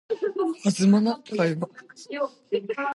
Кабак кайда үсә?